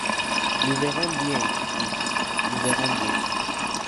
Nous verrons bien, Dick, nous verrons bien.